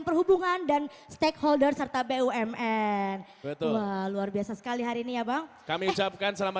perhubungan dan stakeholder serta bumn betul luar biasa sekali hari ini ya bang kami ucapkan selamat